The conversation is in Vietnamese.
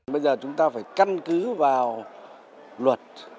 bây giờ chúng ta phải căn cứ vào luật